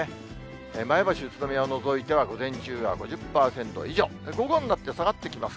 前橋、宇都宮を除いては、午前中は５０％以上、午後になって下がってきます。